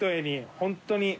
本当に。